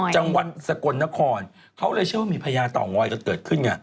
จังหวัดสกลนครเขาเลยเชื่อว่ามีพญาเต่างอยกันเกิดขึ้นไง